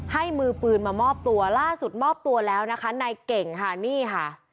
มือปืนมามอบตัวล่าสุดมอบตัวแล้วนะคะนายเก่งค่ะนี่ค่ะ